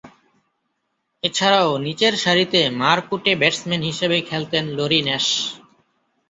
এছাড়াও নিচেরসারিতে মারকুটে ব্যাটসম্যান হিসেবে খেলতেন লরি ন্যাশ।